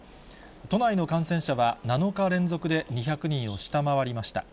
都内の感染者は７日連続で２００人を下回りました。